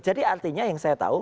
jadi artinya yang saya tahu